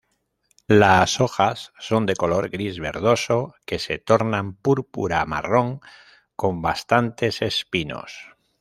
Las hojas son de color gris-verdoso que se tornan púrpura-marrón con bastantes espinos.